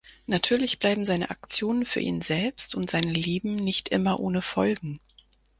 Natürlich bleiben seine Aktionen für ihn selbst und seine Lieben nicht immer ohne Folgen.